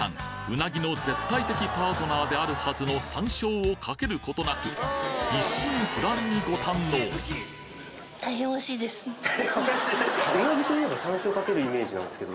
うなぎの絶対的パートナーであるはずの山椒をかけることなく一心不乱にご堪能あそうなんですか。